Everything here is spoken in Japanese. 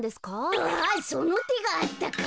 うわそのてがあったか。